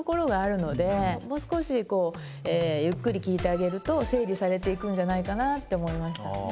もう少しゆっくり聞いてあげると整理されていくんじゃないかなって思いました。